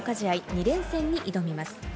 ２連戦に挑みます。